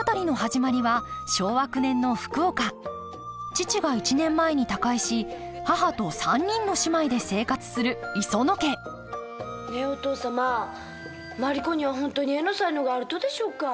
父が１年前に他界し母と３人の姉妹で生活する磯野家ねえお父様マリ子には本当に絵の才能があるとでしょうか？